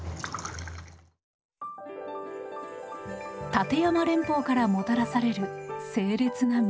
立山連峰からもたらされる清冽な水。